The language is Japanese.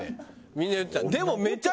みんな言ってた。